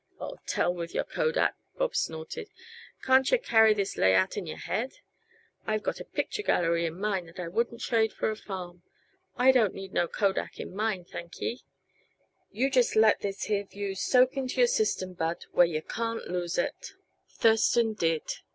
"Aw, t'ell with your Kodak!" Bob snorted. "Can't yuh carry this layout in your head? I've got a picture gallery in mine that I wouldn't trade for a farm; I don't need no Kodak in mine, thankye. You just let this here view soak into your system, Bud, where yuh can't lose it." Thurston did.